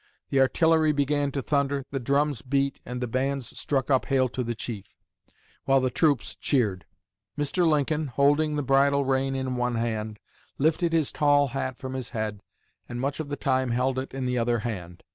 The artillery began to thunder, the drums beat, and the bands struck up 'Hail to the Chief,' while the troops cheered. Mr. Lincoln, holding the bridle rein in one hand, lifted his tall hat from his head, and much of the time held it in the other hand.